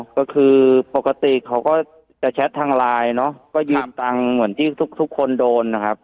ก็คือปกติเขาก็จะแชททางไลน์เนอะก็ยืมตังค์เหมือนที่ทุกคนโดนนะครับ